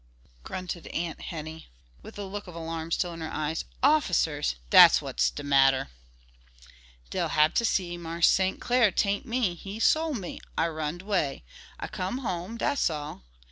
grunted Aunt Henny, with the look of alarm still in her eyes, "officers! dat's what's de matter." "Dey'll hab ter see Marse St. Clar, tain't me. He sol' me. I runned 'way. I come home, dat's all.